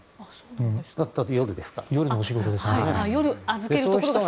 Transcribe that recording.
夜のお仕事ですから。